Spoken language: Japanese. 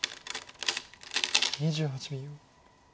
２８秒。